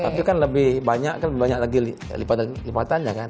tapi kan lebih banyak kan lebih banyak lagi lipatannya kan